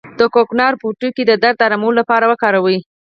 د کوکنارو پوټکی د درد د ارام لپاره وکاروئ